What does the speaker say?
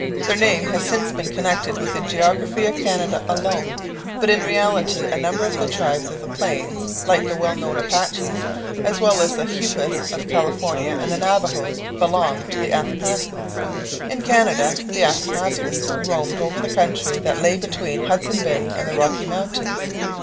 Their name has since become connected with the geography of Canada alone, but in reality a number of the tribes of the plains, like the well known Apaches, as well as the Hupas of California and the Navahos, belong to the Athapascans. In Canada, the Athapascans roamed over the country that lay between Hudson Bay and the Rocky Mountains.